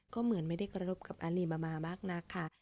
ก็เหมือนไม่ได้กระทบกับอารีมามามากนักค่ะ